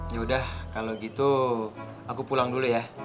yaudah kalau gitu aku pulang dulu ya